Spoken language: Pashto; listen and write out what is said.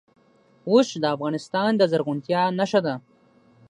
اوښ د افغانستان د زرغونتیا نښه ده.